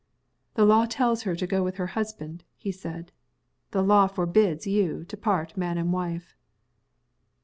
"The law tells her to go with her husband," he said. "The law forbids you to part Man and Wife."